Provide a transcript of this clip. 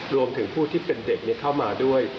รวมถึงผู้ที่เป็นเด็กเข้ามาด้วย